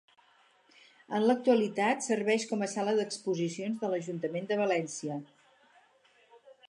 En l'actualitat serveix com a sala d'exposicions de l'Ajuntament de València.